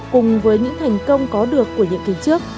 cùng với những thành công có được của nhiệm kỳ trước